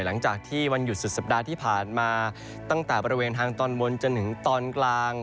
หลังจากวันหยุดสุดสัปดาห์ที่ผ่านมาตั้งแต่บริเวณทางตอนบนจนถึงตอนกลาง